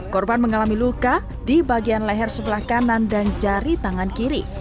korban mengalami luka di bagian leher sebelah kanan dan jari tangan kiri